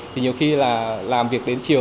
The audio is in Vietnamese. thì nhiều khi là làm việc đến chiều